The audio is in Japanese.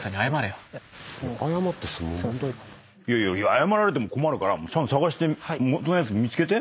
謝られても困るからちゃんと捜して元のやつ見つけて。